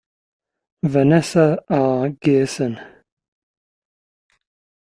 Vanessa R. Gearson.